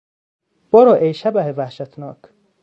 برو ای شبح وحشتناک!